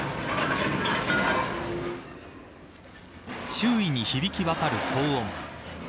周囲に響き渡る騒音。